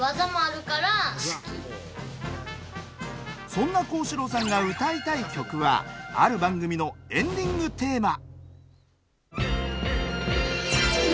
そんな皓志郎さんが歌いたい曲はある番組のエンディングテーマ。